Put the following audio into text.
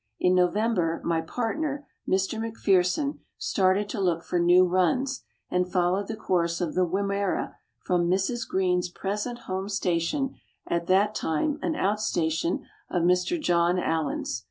In November my partner, Mr. McPherson, started to look for new runs, and followed the course of the Wimmera from Mrs. Greene's present home station, at that time an out station of Mr. John Allan's.